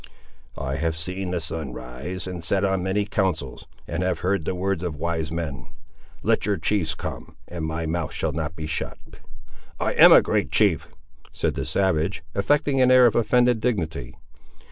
"I have seen the sun rise and set on many councils, and have heard the words of wise men. Let your chiefs come, and my mouth shall not be shut." "I am a great chief!" said the savage, affecting an air of offended dignity.